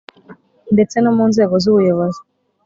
ndetse no munzego z’ubuyobozi,